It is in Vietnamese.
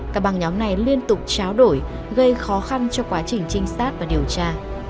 các băng nhóm này liên tục tráo đổi gây khó khăn cho quá trình trinh sát và điều tra